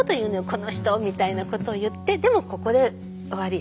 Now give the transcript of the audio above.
この人」みたいなことを言ってでも「ここで終わり。